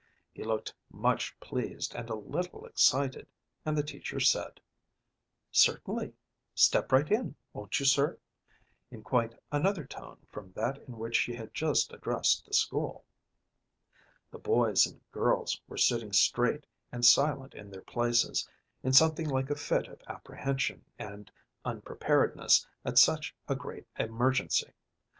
He looked much pleased and a little excited, and the teacher said, "Certainly; step right in, won't you, sir?" in quite another tone from that in which she had just addressed the school. The boys and girls were sitting straight and silent in their places, in something like a fit of apprehension and unpreparedness at such a great emergency.